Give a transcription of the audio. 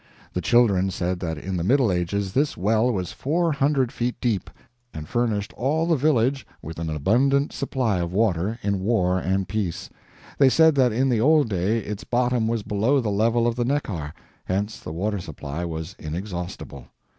The children said that in the Middle Ages this well was four hundred feet deep, and furnished all the village with an abundant supply of water, in war and peace. They said that in the old day its bottom was below the level of the Neckar, hence the water supply was inexhaustible.